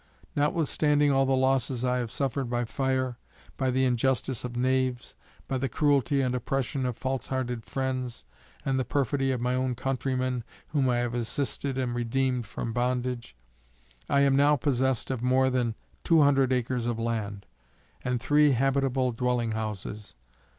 Notwithstanding all the losses I have suffered by fire, by the injustice of knaves, by the cruelty and oppression of false hearted friends, and the perfidy of my own countrymen whom I have assisted and redeemed from bondage, I am no possessed of more than two hundred acres of land, and three habitable dwelling houses.